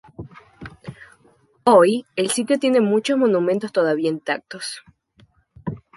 Hoy, el sitio tiene muchos monumentos todavía intactos.